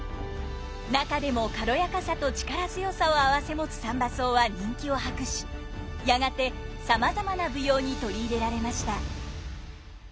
中でも軽やかさと力強さを併せ持つ三番叟は人気を博しやがてさまざまな舞踊に取り入れられました。